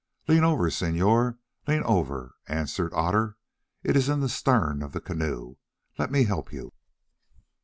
"Lean over, senor, lean over," answered Otter; "it is in the stern of the canoe. Let me help you."